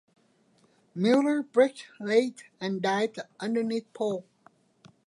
Miller braked late and dived underneath Pol.